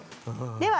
では